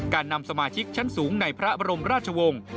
นำสมาชิกชั้นสูงในพระบรมราชวงศ์